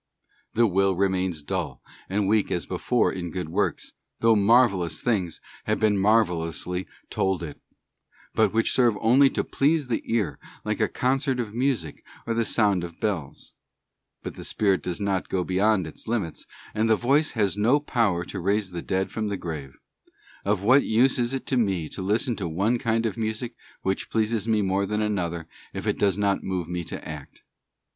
The will remains dull, * Acts xix, 15, + S. Mark ix. 38. t Rom. ii, 21, § Psalm xlix. 16, 17. DUTIES OF PREACHERS AND HEARERS. 319 and weak as before in good works, though marvellous things have been marvellously told it, but which serve only to please the ear, like a concert of music or the sound of bells. But _ the spirit does not go beyond its limits, and the voice has no power to raise the dead from the grave. Of what use is it to me to listen to one kind of music which pleases me more than another, if it does not move me to act?